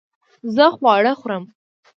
زه خواړه خورم